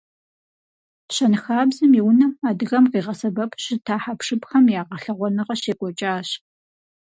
Щэнхабзэм и унэм адыгэм къигъэсэбэпу щыта хьэпшыпхэм я гъэлъэгъуэныгъэ щекӏуэкӏащ.